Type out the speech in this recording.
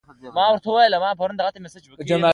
احمد سترګې راته سپينې کړې دي؛ ناست دی.